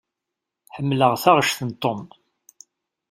Ḥemmleɣ taɣect n Tom.